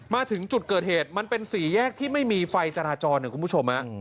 มาถึงจุดเกิดเหตุมันเป็นสี่แยกที่ไม่มีไฟจราจรนะคุณผู้ชม